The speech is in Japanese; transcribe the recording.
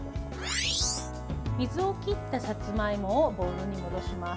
水を切ったさつまいもをボウルに戻します。